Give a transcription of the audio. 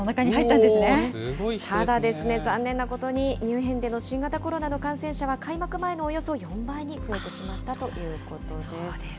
ただ残念なことに、ミュンヘンでの新型コロナの感染者は開幕前のおよそ４倍に増えてしまったということです。